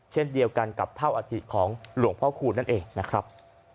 เช่นเดียวกันกับเท่าอธิของหลวงพ่อคูณนั่นเองนะครับ